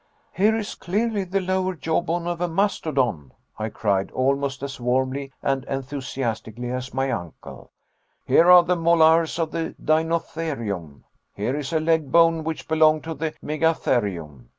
"Here is, clearly, the lower jawbone of a mastodon," I cried, almost as warmly and enthusiastically as my uncle; "here are the molars of the Dinotherium; here is a leg bone which belonged to the Megatherium.